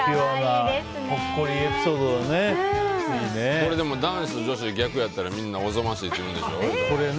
これ男子と女子逆だったらみんなおぞましいって言うんでしょ？